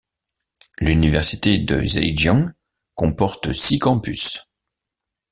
L'Université du Zhejiang comporte six campus.